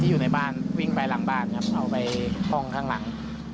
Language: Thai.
อยู่ในบ้านวิ่งไปหลังบ้านครับเอาไปห้องข้างหลัง